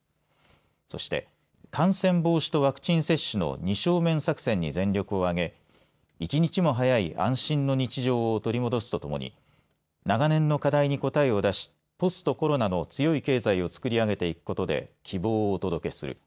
そして感染防止とワクチン接種の２正面作戦に全力を挙げ１日も早い安心な日常を取り戻すとともに長年の課題に答えを出しポストコロナの強い経済を作り上げていくことで希望をお届けする。